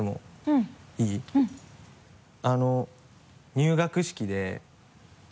入学式で。